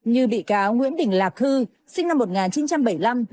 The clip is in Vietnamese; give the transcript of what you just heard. như bị cáo nguyễn đình lạc hư sinh năm một nghìn chín trăm bảy mươi năm